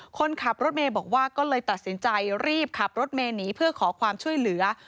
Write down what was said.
คนขับรถเมย์บอกว่าก็เลยตัดสินใจรีบขับรถเมย์หนีเพื่อขอความช่วยเหลือ